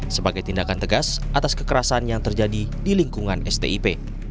sebagai tindakan tegas atas kekerasan yang terjadi di lingkungan stip